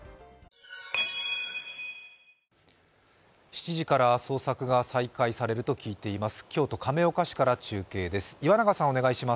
７時から捜索が再開されると聞いています。